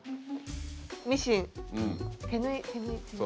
ミシン手縫い手縫い手縫い。